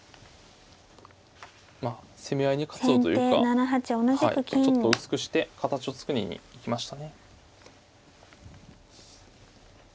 まあ攻め合いに活路というかちょっと薄くして形を作りに行きましたね。